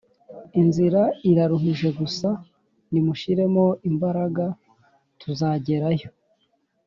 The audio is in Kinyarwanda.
Inzira iraruhije gusa nimushiremo imbaraga tuzagerayo